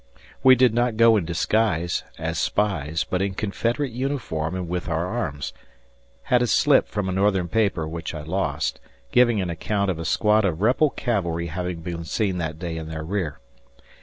We did not go in disguise, as spies, but in Confederate uniform and with our arms. Had a slip from a Northern paper, which I lost, giving an account of a squad of rebel cavalry having been seen that day in their rear.